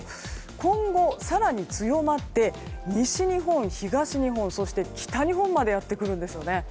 今後更に強まって西日本、東日本、北日本までやってくるんですよね。